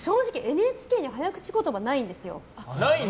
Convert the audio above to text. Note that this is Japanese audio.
ＮＨＫに早口ないんですよ。